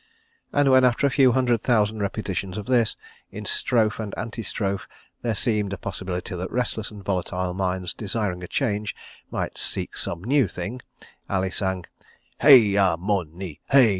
And when, after a few hundred thousand repetitions of this, in strophe and antistrophe, there seemed a possibility that restless and volatile minds desiring change might seek some new thing, Ali sang "Hay Ah Mon Nee!